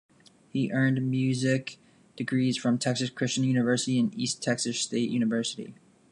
He earned music degrees from Texas Christian University and East Texas State University.